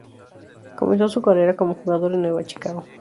Comenzó su carrera como jugador en Nueva Chicago.